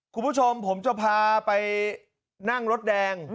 คุณผู้ชมผมจะพาไปนั่งรถแดง